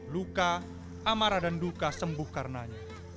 luka amarah dan duka sembuh karenanya